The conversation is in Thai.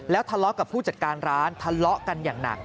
ทะเลาะกับผู้จัดการร้านทะเลาะกันอย่างหนัก